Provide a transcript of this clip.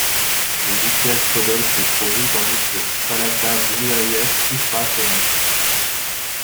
Le Vitiaz Podolsk est promu tandis que le Salavat Ioulaïev Oufa se maintient.